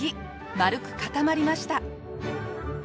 丸く固まりました。